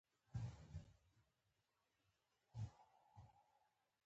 کمپیوټر او انټرنیټ هم په زده کړه کې مرسته کوي.